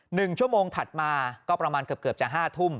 หนึ่งชั่วโมงถัดมาก็ประมาณเกือบเกือบจะห้าทุ่ม